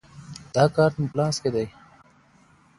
دا کارت مو په لاس کې دی.